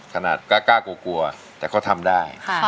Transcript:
ขนาดกล้ากลัวกลัวแต่เขาทำได้